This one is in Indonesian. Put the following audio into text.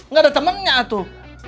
gak ada temennya atuh